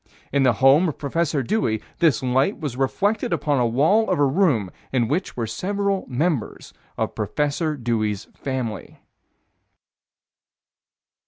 In the home of Prof. Dewey, this light was reflected upon a wall of a room in which were several members of Prof. Dewey's family.